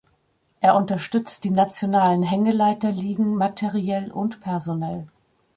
Er unterstützt die nationalen Hängegleiter-Ligen materiell und personell.